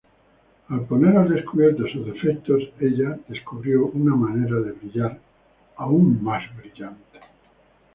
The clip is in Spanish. Al poner al descubierto sus defectos, ella descubrió una manera de brillar más brillante.